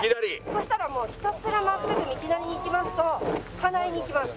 そしたらもうひたすら真っすぐ道なりに行きますと金井に行きます。